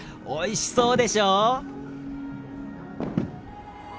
おいしそうでしょ？